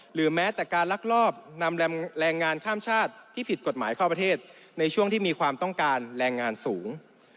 หรือแม้แต่การลักลอบนำแรงงานข้ามชาติที่ผิดกฎหมายเข้าประเทศในช่วงที่มีความต้องการแรงงานสูง